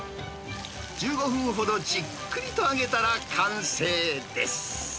１５分ほどじっくりと揚げたら完成です。